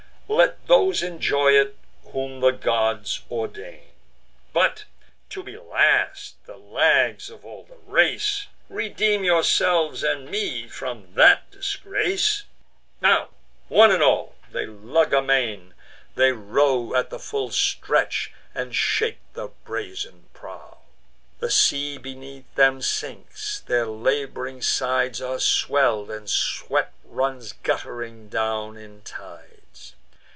Let those enjoy it whom the gods ordain. But to be last, the lags of all the race! Redeem yourselves and me from that disgrace." Now, one and all, they tug amain; they row At the full stretch, and shake the brazen prow. The sea beneath 'em sinks; their lab'ring sides Are swell'd, and sweat runs gutt'ring down in tides.